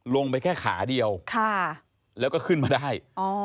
ลงไปแค่ขาเดียวแล้วก็ขึ้นมาได้